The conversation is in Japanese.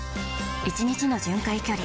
１日の巡回距離